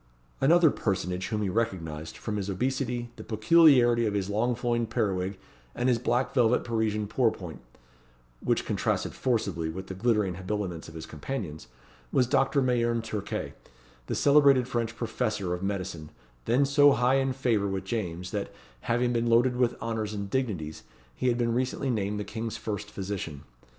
Another personage whom he recognised, from his obesity, the peculiarity of his long flowing periwig, and his black velvet Parisian pourpoint, which contrasted forcibly with the glittering habiliments of his companions, was Doctor Mayerne Turquet, the celebrated French professor of medicine, then so high in favour with James, that, having been loaded with honours and dignities, he had been recently named the King's first physician.